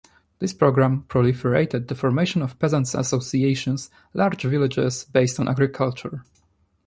This program proliferated the formation of peasant associations, large villages based on agriculture.